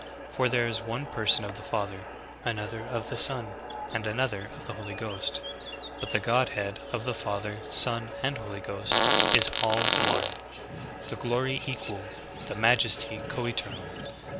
For there is one person of the Father, another of the Son, and another of the Holy Ghost. But the Godhead of the Father, Son, and Holy Ghost, is all one : the glory equal, the majesty co eternal.